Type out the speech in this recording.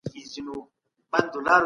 زه د وټساپ چینلونه استعمال کوم.